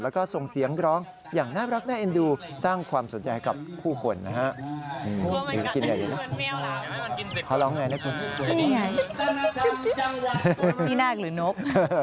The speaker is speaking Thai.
แล้วก็ส่งเสียงร้องอย่างน่ารักน่าเอ็นดูสร้างความสนใจกับผู้คนนะฮะ